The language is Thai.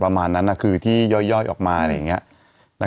ประมาณนั้นคือที่ย่อยออกมา